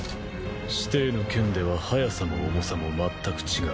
師弟の拳では速さも重さもまったく違う。